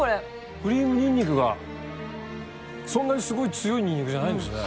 クリームニンニクがそんなにすごい強いニンニクじゃないんですね。